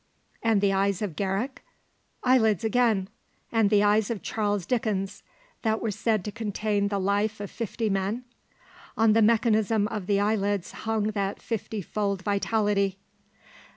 And the eyes of Garrick? Eyelids, again. And the eyes of Charles Dickens, that were said to contain the life of fifty men? On the mechanism of the eyelids hung that fifty fold vitality.